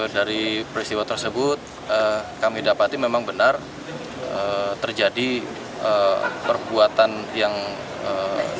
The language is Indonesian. dari peristiwa tersebut kami dapati memang benar terjadi perbuatan yang tidak